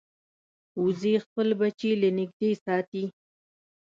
وزې خپل بچي له نږدې ساتي